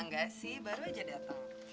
enggak sih baru aja datang